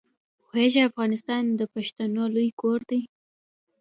پوهېږې افغانستان د پښتنو لوی کور دی.